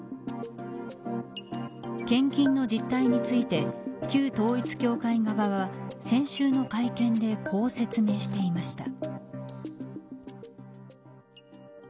献金の実態について旧統一教会側は先週の会見でこう説明していました。